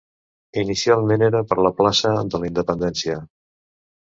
Inicialment era per la plaça de la Independència.